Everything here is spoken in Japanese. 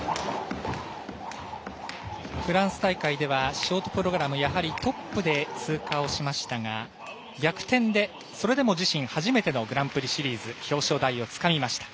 フランス大会ではショートプログラムやはりトップで通過しましたが逆転で、それでも自身初めてのグランプリシリーズ表彰台をつかみました。